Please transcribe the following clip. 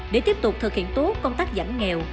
để tiếp tục thực hiện tốt công tác giảm nghèo